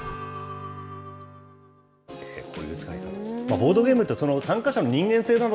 ボードゲームって参加者の人間性など、